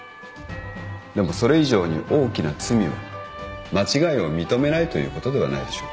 でもそれ以上に大きな罪は間違いを認めないということではないでしょうか。